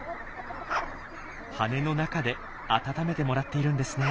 羽の中で温めてもらっているんですね。